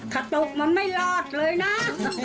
ถ้าตกมันไม่รอดเลยนะ